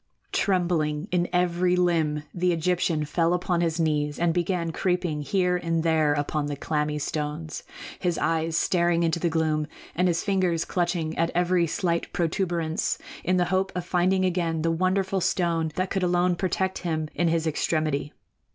Trembling in every limb, the Egyptian fell upon his knees and began creeping here and there upon the clammy stones, his eyes staring into the gloom and his fingers clutching at every slight protuberance in the hope of finding again the wonderful stone that could alone protect him in his extremity.